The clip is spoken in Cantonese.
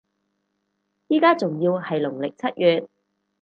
依家仲要係農曆七月